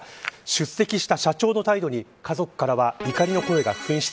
出席した社長の態度に家族からは怒りの声が噴出。